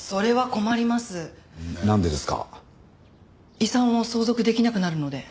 遺産を相続できなくなるので。